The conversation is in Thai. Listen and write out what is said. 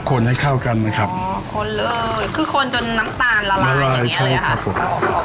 คนให้เข้ากันนะครับอ๋อคนเลยคือคนจนน้ำตาลละลายอย่างนี้เลยค่ะละลายใช่ครับผม